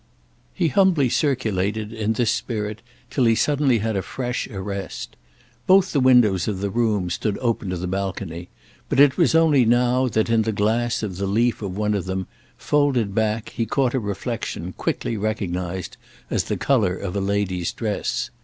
He humbly circulated in this spirit till he suddenly had a fresh arrest. Both the windows of the room stood open to the balcony, but it was only now that, in the glass of the leaf of one of them, folded back, he caught a reflexion quickly recognised as the colour of a lady's dress.